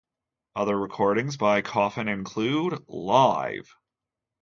Other recordings by Coffin include: Live!